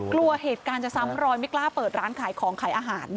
กลัวเหตุการณ์จะซ้ำรอยไม่กล้าเปิดร้านขายของขายอาหาร